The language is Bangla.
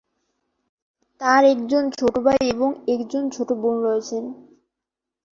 তার একজন ছোট ভাই এবং একজন ছোট বোন রয়েছে।